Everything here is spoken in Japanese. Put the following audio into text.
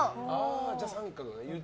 じゃあ△ね。